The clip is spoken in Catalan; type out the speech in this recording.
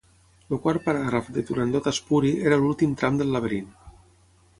El quart paràgraf de “Turandot espuri” era l'últim tram del laberint.